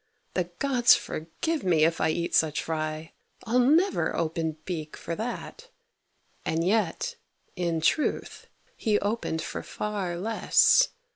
The gods forgive me if I eat such fry: I'll never open beak for that:" and yet, in truth, He opened for far less.